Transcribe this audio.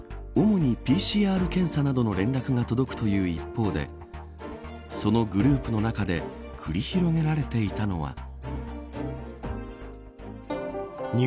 主にＰＣＲ検査などの連絡が届くという一方でそのグループの中で繰り広げられていたのは。